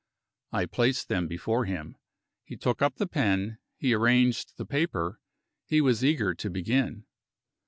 I placed them before him. He took up the pen; he arranged the paper; he was eager to begin.